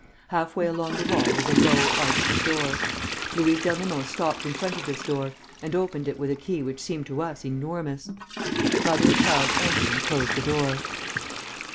Half way along the wall was a low, arched door. Louise d'Ernemont stopped in front of this door and opened it with a key which seemed to us enormous. Mother and child entered and closed the door.